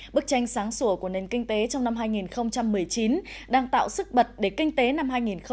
bức tranh sáng sủa của nền kinh tế trong năm hai nghìn một mươi chín đang tạo sức bật để kinh tế năm hai nghìn hai mươi